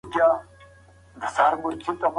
امریکایي بازارونه هم د دې زعفرانو مینوال دي.